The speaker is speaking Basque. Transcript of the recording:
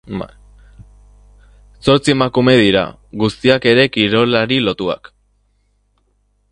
Zortzi emakume dira, guztiak ere kirolari lotuak.